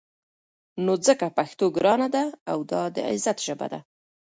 نو ځکه پښتو ګرانه ده او دا د عزت ژبه ده.